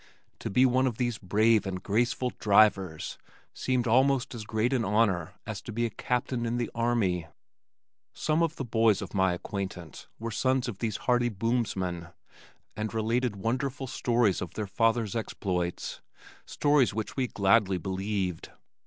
To be one of these brave and graceful "drivers" seemed almost as great an honor as to be a Captain in the army. Some of the boys of my acquaintance were sons of these hardy boomsmen, and related wonderful stories of their fathers' exploits stories which we gladly believed.